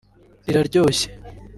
riraryoshye